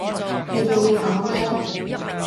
你仲要考咩